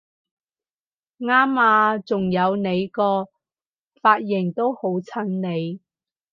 啱吖！仲有你個髮型都好襯你！